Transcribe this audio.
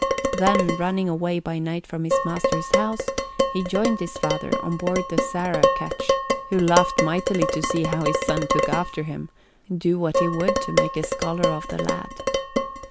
Then, running away by night from his master's house, he joined his father on board the Sarah ketch, who laughed mightily to see how his son took after him, do what he would to make a scholar of the lad.